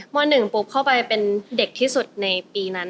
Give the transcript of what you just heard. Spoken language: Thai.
๑ปุ๊บเข้าไปเป็นเด็กที่สุดในปีนั้น